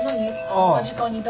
こんな時間に誰？